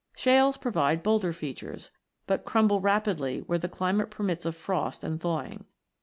Shales provide bolder features, but crumble rapidly where the climate permits of frost and thawing.